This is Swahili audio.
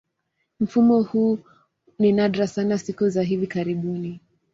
Mfumo huu ni nadra sana siku za hivi karibuni.